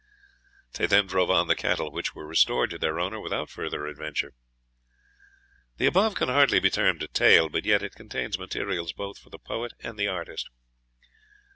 _ They then drove on the cattle, which were restored to their owner without farther adventure The above can hardly be termed a tale, but yet it contains materials both for the poet and artist.